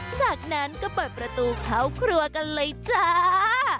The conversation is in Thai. จากนั้นก็เปิดประตูเข้าครัวกันเลยจ้า